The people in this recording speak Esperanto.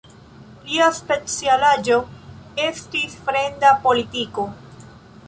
Lia specialaĵo estis fremda politiko.